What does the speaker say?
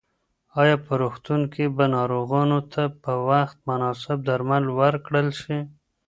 ایا په روغتون کې به ناروغانو ته په وخت مناسب درمل ورکړل شي؟